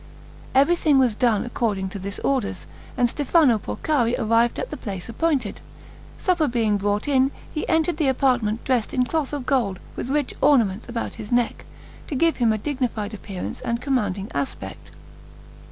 Everything was done according to this orders, and Stefano Porcari arrived at the place appointed. Supper being brought in, he entered the apartment dressed in cloth of gold, with rich ornaments about his neck, to give him a dignified appearance and commanding aspect.